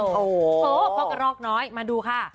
โอ้โหโอ้โหเพราะกระรอกน้อยมาดูค่ะ